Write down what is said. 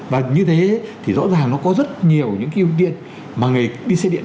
và như thế thì rõ ràng nó có rất nhiều những cái ưu tiên mà người đi xe điện